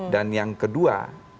dan yang kedua